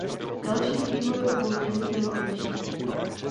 Další vývoj obou zemí byl odlišný.